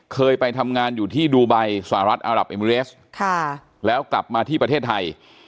เคยไปทำงานอยู่ที่ดูไบสหรัฐอารับเอมิเรสแล้วกลับมาที่ประเทศไทย